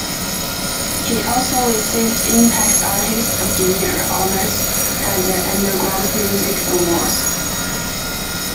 He also received "Impact Artist of the Year" honors at the Underground Music Awards.